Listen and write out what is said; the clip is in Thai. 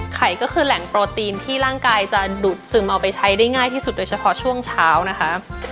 ไข่ก็คือแหล่งโปรตีนที่ร่างกายจะดูดซึมเอาไปใช้ได้ง่ายที่สุดโดยเฉพาะช่วงเช้านะคะ